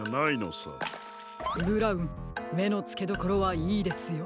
ブラウンめのつけどころはいいですよ。